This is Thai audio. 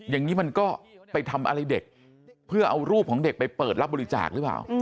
อย่างนี้มันก็ไปทำอะไรเด็กเพื่อเอารูปของเด็กไปเปิดรับบริจาคหรือเปล่า